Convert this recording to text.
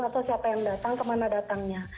atau siapa yang datang kemana datangnya